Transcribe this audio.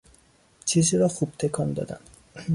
چیزی را خوب تکان دادن